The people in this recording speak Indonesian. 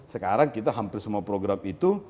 sekarang kita hampir semua program itu